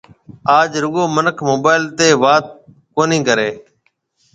آج رُگو منک موبائل تيَ وات ڪونِي ڪرَي